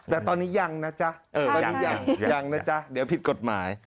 แต่ตอนนี้ยังนะจ๊ะตอนนี้ยังยังนะจ๊ะเดี๋ยวผิดกฎหมาย